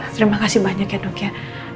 terima kasih banyak ya dok ya